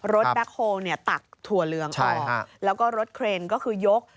แบ็คโฮลตักถั่วเหลืองออกแล้วก็รถเครนก็คือยก